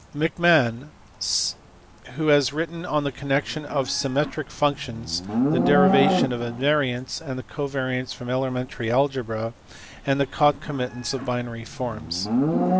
462), who has written on the connection of symmetric functions, the derivation of invariants and covariants from elementary algebra, and the concomitants of binary forms.